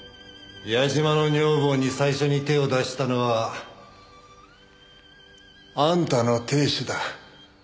矢嶋の女房に最初に手を出したのはあんたの亭主だ。